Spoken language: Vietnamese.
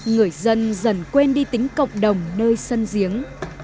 người dân dần quên đi tính cộng đồng nơi sân giếng